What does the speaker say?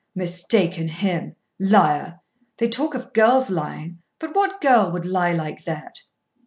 Mistaken him! Liar! They talk of girls lying; but what girl would lie like that?"